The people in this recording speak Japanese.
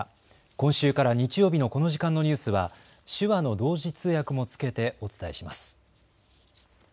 今週から日曜日のこの時間のニュースは手話の同時通訳もつけてお伝えします。